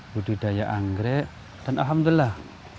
budidaya anggrek dan alhamdulillah